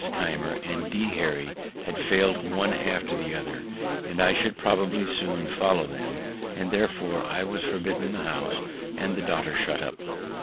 Keimer and D. Harry had failed one after the other, and I should probably soon follow them; and, therefore, I was forbidden the house, and the daughter shut up.